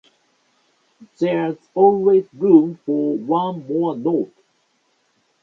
There's always room for one more note.